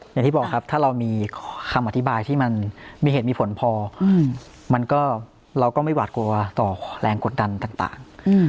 อย่างที่บอกครับถ้าเรามีคำอธิบายที่มันมีเหตุมีผลพอมันก็เราก็ไม่หวาดกลัวต่อแรงกดดันต่าง